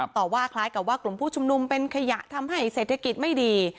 ต่อว่าคล้ายกับว่ากลุ่มผู้ชุมนุมเป็นขยะทำให้เศรษฐกิจไม่ดี